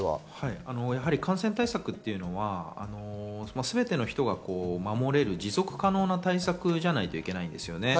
感染対策は、すべての人が守れる持続可能な対策じゃないといけないですよね。